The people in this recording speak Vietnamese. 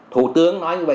thủ tướng nói như vậy